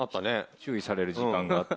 注意される時間があって。